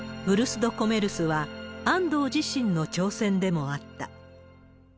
ブルス・ド・コメルスは安藤自身の挑戦でもあった。